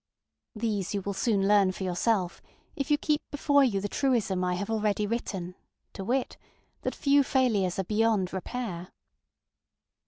These you will soon learn for yourself if you keep before you the truism I have already written, to wit, that few failures are beyond repair.